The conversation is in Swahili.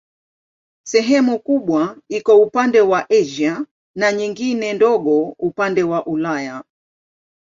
Sehemu kubwa iko upande wa Asia na nyingine ndogo upande wa Ulaya.